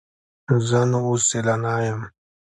زه نو اوس سیلانی یم.